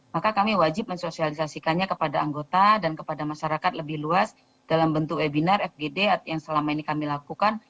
maka kami wajib mensosialisasikannya kepada anggota dan kepada masyarakat lebih luas dalam bentuk webinar fgd yang selama ini kami lakukan